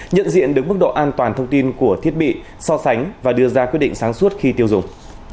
nhận diện được mức độ an toàn thông tin của thiết bị so sánh và đưa ra quyết định sáng suốt khi tiêu dùng